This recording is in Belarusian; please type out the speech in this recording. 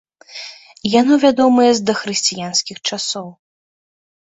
Яно вядомае з дахрысціянскіх часоў.